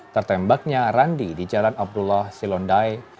tertembaknya randi di jalan abdullah silondai